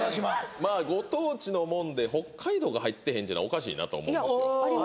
まあご当地のもんで北海道が入ってへんのはおかしいと思う